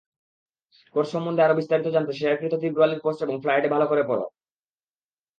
Course সম্মন্ধে আরো বিস্তারিত জানতে শেয়ারকৃত তীব্র আলীর পোস্ট এবং ফ্লায়ারটি ভালো করে পড়।